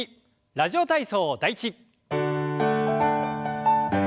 「ラジオ体操第１」。